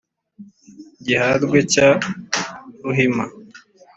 giharwe cya ruhima